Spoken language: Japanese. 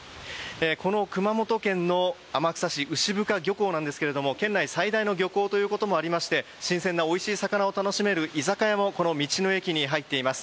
この熊本県天草市牛深漁港ですが県内最大の漁港ということもありまして新鮮なおいしい魚を楽しめる居酒屋も、この道の駅に入っています。